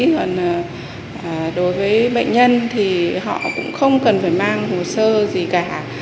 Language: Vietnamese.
còn đối với bệnh nhân thì họ cũng không cần phải mang hồ sơ gì cả